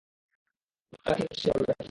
কুল রাখি না শ্যাম রাখি।